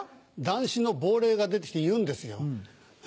談志の亡霊が出て来て言うんですよ。